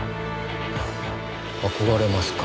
憧れますか。